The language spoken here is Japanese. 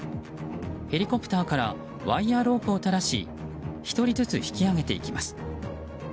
ヘリコプターからワイヤロープをたらし１人ずつ引き揚げていきます。